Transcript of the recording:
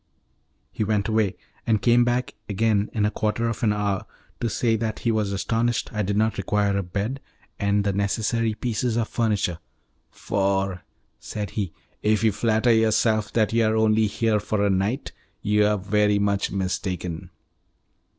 He went away and came back again in a quarter of an hour to say that he was astonished I did not require a bed and the necessary pieces of furniture, "for" said he, "if you flatter yourself that you are only here for a night, you are very much mistaken."